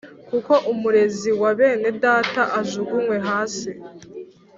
kuko Umurezi wa bene Data ajugunywe hasi,